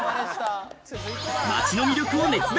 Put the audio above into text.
街の魅力を熱弁。